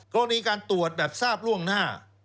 กรณีการตรวจแบบทราบล่วงหน้า